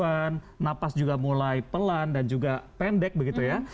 nah ini kita lihat keadaan nafas juga mulai pelan dan juga pendek begitu ya